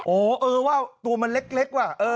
เออเออว่าตัวมันเล็กว่ะ